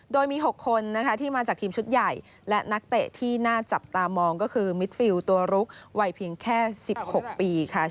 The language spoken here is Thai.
โดยมี๖คนนะคะที่มาจากทีมชุดใหญ่และนักเตะที่น่าจับตามองก็คือมิดฟิลตัวลุกวัยเพียงแค่๑๖ปีค่ะ